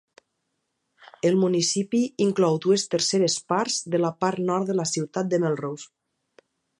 El municipi inclou dues terceres parts de la part nord de la ciutat de Melrose.